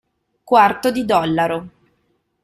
Quarto di dollaro